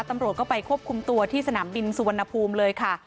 ตำรวจก็ไปควบคุมตัวที่สนามบินสุวรรณภูมิเลยค่ะ